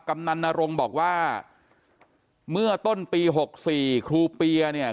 กำนันนรงค์บอกว่าเมื่อต้นปี๖๔ครูเปียเนี่ย